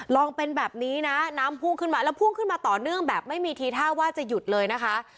ลองเป็นแบบนี้นะน้ำพุ่งขึ้นมาแล้วพุ่งขึ้นมาต่อเนื่องแบบไม่มีทีท่าว่าจะหยุดเลยนะคะ